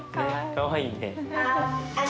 かわいいね。